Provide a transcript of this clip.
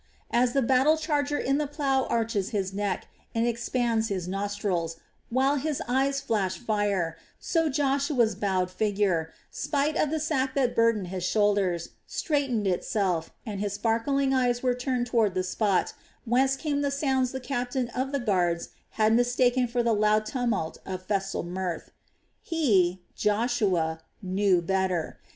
As the battle charger in the plough arches his neck, and expands his nostrils, while his eyes flash fire, so Joshua's bowed figure, spite of the sack that burdened his shoulders, straightened itself, and his sparkling eyes were turned toward the spot whence came the sounds the captain of the guards had mistaken for the loud tumult of festal mirth. He, Joshua, knew better.